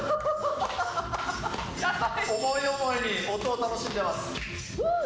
思い思いに音を楽しんでます。